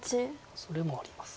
それもあります。